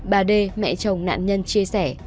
bà d mẹ chồng nạn nhân chia sẻ